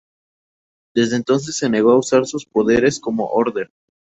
Desde entonces se negó a usar sus poderes como "Order".